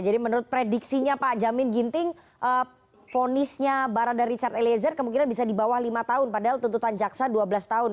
jadi menurut prediksinya pak jamin ginting ponisnya barang dari richard eliezer kemungkinan bisa di bawah lima tahun padahal tuntutan jaksa dua belas tahun